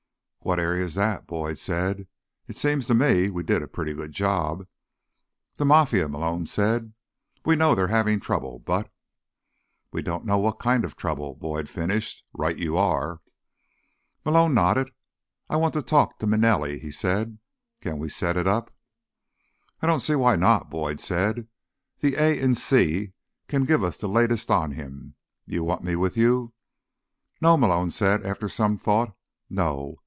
"What area is that?" Boyd said. "It seems to me we did a pretty good job—" "The Mafia," Malone said. "We know they're having trouble, but—" "But we don't know what kind of trouble," Boyd finished. "Right you are." Malone nodded. "I want to talk to Manelli," he said. "Can we set it up?" "I don't see why not," Boyd said. "The A in C can give us the latest on him. You want me with you?" "No," Malone said after some thought. "No.